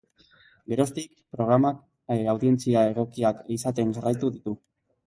Geroztik, programak audientzia egokiak izaten jarraitu ditu.